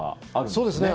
そうですね。